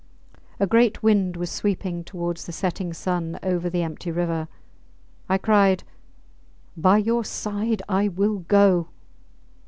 A great wind was sweeping towards the setting sun over the empty river. I cried, By your side I will go!